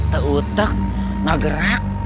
tak utak gak gerak